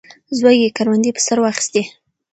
زوږ یې کروندې په سر واخیستې.